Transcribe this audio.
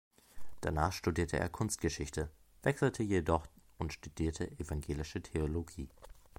Danach studierte er Kunstgeschichte, wechselte jedoch und studierte Evangelische Theologie.